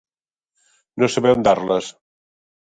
No saber on dar-les.